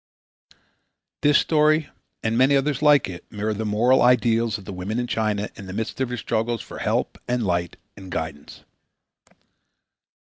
This story and many others like it mirror the moral ideals of the women of China in the midst of their struggles for help and light and guidance.